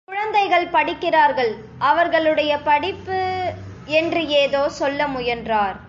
குழந்தைகள் படிக்கிறார்கள் அவர்களுடைய படிப்பு... என்று ஏதோ சொல்ல முயன்றார்.